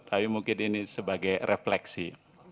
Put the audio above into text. tapi mungkin ini sebagai refleksi